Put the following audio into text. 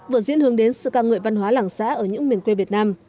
vợ diễn hướng đến sự ca ngợi văn hóa làng xã ở những miền quê việt nam